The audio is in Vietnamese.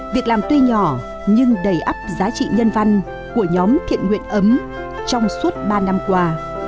việc làm tuy nhỏ nhưng đầy ấp giá trị nhân văn của nhóm thiện nguyện ấm trong suốt ba năm qua